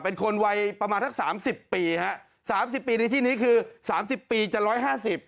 เป็นคนวัยประมาณทั้ง๓๐ปีครับ๓๐ปีในที่นี้คือ๓๐ปีจะ๑๕๐